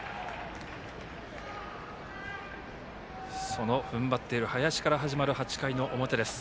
そのふんばっている林から始まる８回の表です。